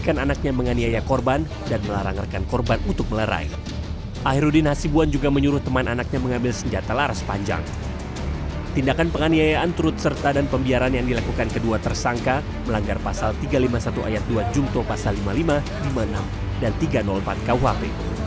tindakan penganiayaan trut serta dan pembiaran yang dilakukan kedua tersangka melanggar pasal tiga ratus lima puluh satu ayat dua jumto pasal lima puluh lima lima puluh enam dan tiga ratus empat kuhp